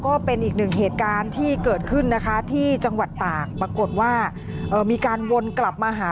ก็เป็นอีกหนึ่งเหตุการณ์ที่เกิดขึ้นนะคะที่จังหวัดตากปรากฏว่ามีการวนกลับมาหา